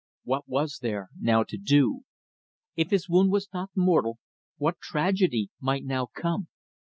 What was there now to do? If his wound was not mortal, what tragedy might now come!